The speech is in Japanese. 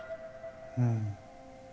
うん。